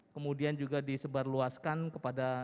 kemudian juga disebarluaskan kepada